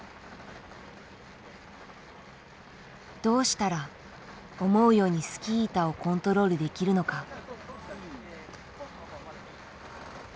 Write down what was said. どうしたら思うようにスキー板をコントロールできるのか。